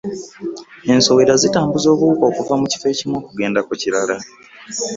Ensowera zitambuza obuwuka okuva mu kifo ekimu okugenda mu kirala.